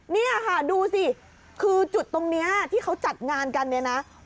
นี่ค่ะดูสิคือจุดตรงนี้ที่เขาจัดงานกันเนี่ยนะ